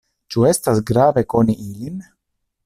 Ĉu estas grave koni ilin?